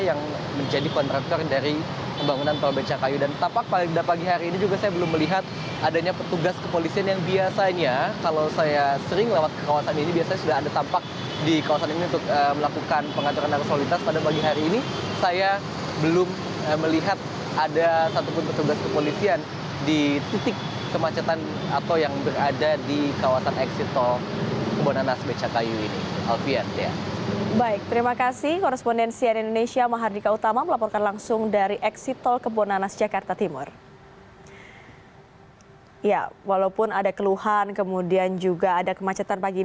yang menjadi kontraktor yang berhasil menjelaskan ini